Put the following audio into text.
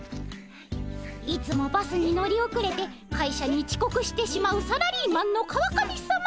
いつもバスに乗り遅れて会社にちこくしてしまうサラリーマンの川上さま。